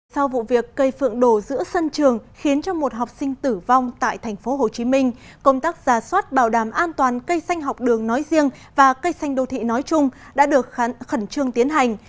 sau vụ việc cây phượng đổ giữa sân trường khiến cho một học sinh tử vong tại tp hcm công tác giả soát bảo đảm an toàn cây xanh học đường nói riêng và cây xanh đô thị nói chung đã được khẩn trương tiến hành